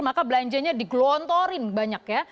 maka belanjanya digelontorin banyak ya